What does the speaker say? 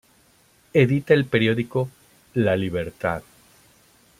Edita el periódico La Libertad.